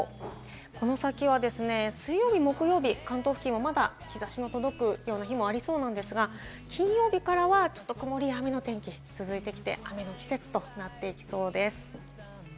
この先は水曜日、木曜日、関東付近もまだ日差しの届くような日もありそうなんですが、金曜日からは曇りや雨の天気が続いてきて、雨の季節となっていきそうです。